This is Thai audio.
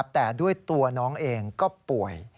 แต่ด้วยตัวน้องเองก็ป่วย